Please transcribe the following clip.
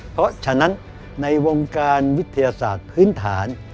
เพราะฉะนั้นในวงการวิทยาศาสตร์พื้นฐาน